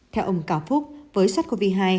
theo ông cao phúc với sát covid hai